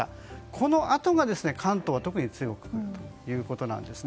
このあとが、関東は特に強く降るということなんです。